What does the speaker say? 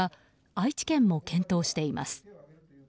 愛知県も検討しています。